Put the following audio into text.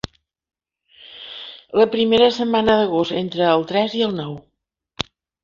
La primera setmana d'agost, entre el tres i el nou.